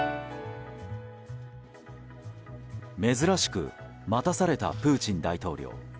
珍しく待たされたプーチン大統領。